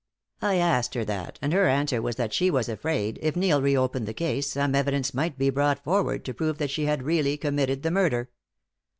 "I asked her that, and her answer was that she was afraid, if Neil reopened the case, some evidence might be brought forward to prove that she had really committed the murder.